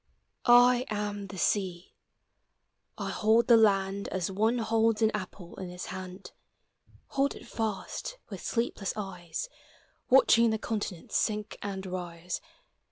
I am the Sea. I hold the land As one holds an apple in his hand. Hold it fast with sleepless eyes, Watching the continents sink and rise.